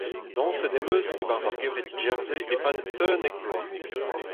Dañset 'm eus e-barzh ar gevredigezh-se e-pad unnek vloaz.